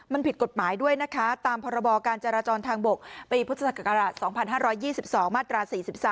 มันผิดกฎหมายด้วยนะคะตามพรบการจราจรทางบกปีพุทธศักราช๒๕๒๒มาตรา๔๓